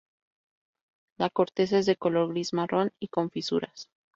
La corteza es de color gris-marrón, y con fisuras.